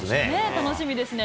楽しみですね。